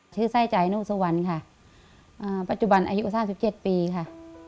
ชื่อไส้ใจโนสุวรรณค่ะปัจจุบันอายุ๓๗ปีค่ะ